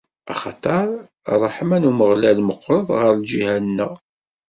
Axaṭer ṛṛeḥma n Umeɣlal meqqret ɣer lǧiha-nneɣ.